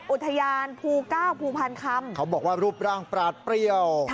อุทยานภูเก้าภูพานคำเขาบอกว่ารูปร่างปราดเปรี้ยว